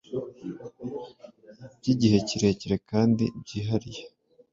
by’igihe kirekire kandi byihariye